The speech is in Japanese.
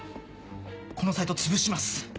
このサイトつぶします。